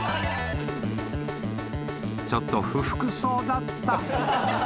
［ちょっと不服そうだった］